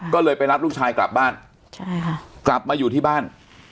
ก็เลยไปรับลูกชายกลับบ้านใช่ค่ะกลับมาอยู่ที่บ้าน